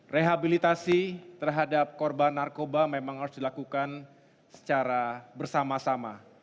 rehabilitasi terhadap korban narkoba memang harus dilakukan secara bersama sama